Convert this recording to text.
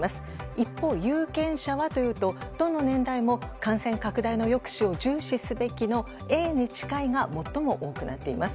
一方、有権者はどの年代も感染拡大の抑止を重視すべきのＡに近いが最も多くなっています。